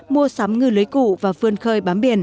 mua sắm ngư lưới cũ và vươn khởi